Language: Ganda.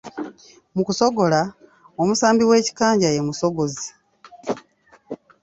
Mu kusogola, omusambi w'ekikanja ye musogozi.